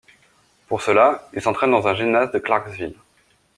Pour cela, il s'entraîne dans un gymnase de Clarksville.